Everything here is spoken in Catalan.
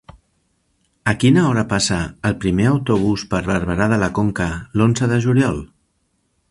A quina hora passa el primer autobús per Barberà de la Conca l'onze de juliol?